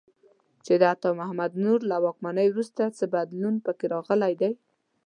چې د عطا محمد نور له واکمنۍ وروسته څه بدلون په کې راغلی دی.